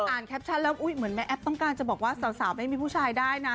แคปชั่นแล้วอุ๊ยเหมือนแม่แอ๊บต้องการจะบอกว่าสาวไม่มีผู้ชายได้นะ